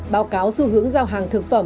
báo cáo xu hướng giao hàng thực phẩm